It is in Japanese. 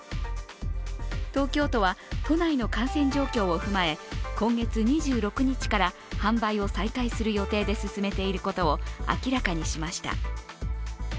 東京都は都内の感染状況を踏まえ今月２６日から販売を再開する予定で進めていることを明らかにしました。